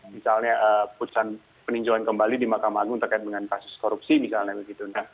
misalnya putusan peninjauan kembali di mahkamah agung terkait dengan kasus korupsi misalnya begitu